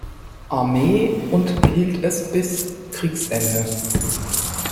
Armee und behielt es bis Kriegsende.